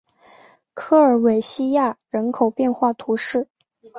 科尔韦西亚人口变化图示